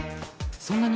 そんなに？